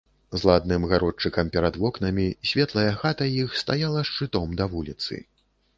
З ладным гародчыкам перад вокнамі, светлая хата іх стаяла шчытом да вуліцы.